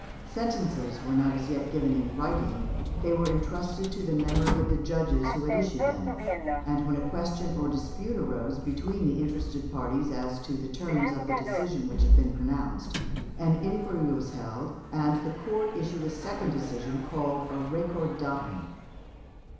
Sentences were not as yet given in writing: they were entrusted to the memory of the judges who had issued them; and when a question or dispute arose between the interested parties as to the terms of the decision which had been pronounced, an inquiry was held, and the court issued a second decision, called a recordatum.